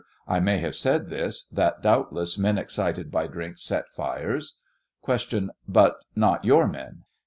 I may have said this ; that doubtless men excited by drink set fires. Q. But not your men